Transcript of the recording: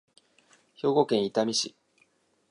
兵庫県伊丹市